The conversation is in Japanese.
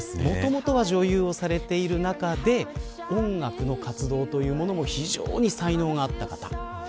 もともとは女優をされている中で音楽の活動も非常に才能があった方。